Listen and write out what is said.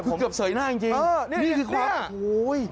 คือเกือบเสยหน้าจริงนี่นี่คือเขาคือ